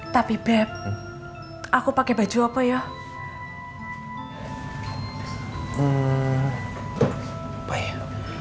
tapi beb aku pakai baju apa yuk